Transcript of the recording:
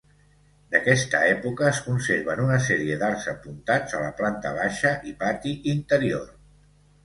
D'aquesta època es conserven una sèrie d'arcs apuntats a la planta baixa i pati interior.